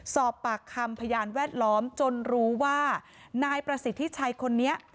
สอบปากคำพยานแวดล้อมจนรู้ว่านายประสิทธิชัยคนนี้